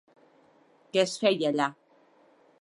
Què es feia allà?